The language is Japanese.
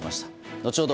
後ほど